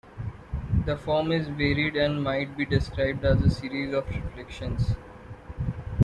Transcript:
The form is varied and might be described as a series of reflections.